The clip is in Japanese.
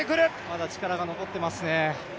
まだ力が残ってますね。